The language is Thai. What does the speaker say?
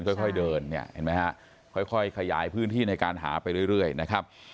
ค่อยเดินเนี่ยเห็นไหมฮะค่อยขยายพื้นที่ในการหาไปเรื่อยนะครับ